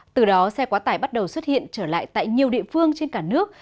từ đó xe quá tải bắt đầu xuất hiện trở lại tại nhiều địa phương trên cả nước